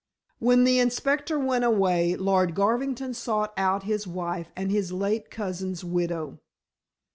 When the inspector went away, Lord Garvington sought out his wife and his late cousin's widow.